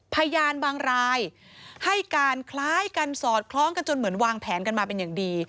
พยานบางรายให้การคล้ายกันสอดคล้องกันจนเหมือนวางแผนกันมาเป็นอย่างดี